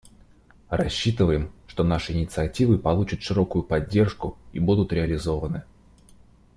Рассчитываем, что наши инициативы получат широкую поддержку и будут реализованы.